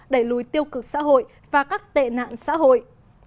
đẩy lùi tiêu cực xã hội và các tệ nạn xã hội